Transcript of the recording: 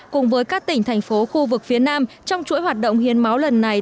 cùng với các tỉnh thành phố khu vực phía nam trong chuỗi hoạt động hiến máu lần này